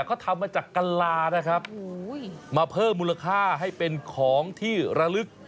เขาทำมาจากกะลานะครับมาเพิ่มมูลค่าให้เป็นของที่ระลึก